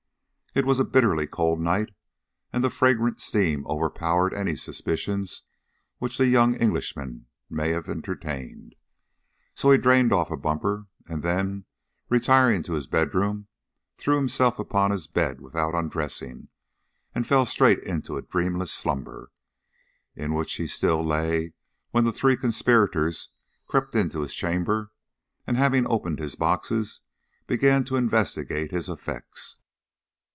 It was a bitterly cold night, and the fragrant steam overpowered any suspicions which the young Englishman may have entertained, so he drained off a bumper, and then, retiring to his bedroom, threw himself upon his bed without undressing, and fell straight into a dreamless slumber, in which he still lay when the three conspirators crept into his chamber, and, having opened his boxes, began to investigate his effects.